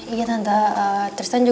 iya tante ee